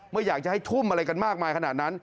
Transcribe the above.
ไม่อยากจะให้ทุ่มอะไรกันมากมายขนาดนั้น